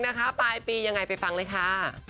กันอีกนะคะปลายปียังไงไปฟังเลยค่ะ